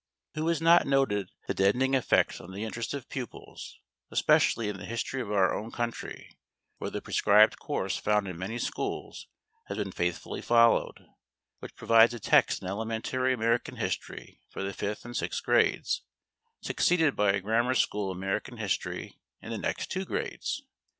Who has not noted the deadening effect on the interest of pupils, especially in the history of our own country, where the prescribed course found in many schools has been faithfully followed, which provides a text in elementary American history for the fifth and sixth grades, succeeded by a grammar school American history in the next two grades?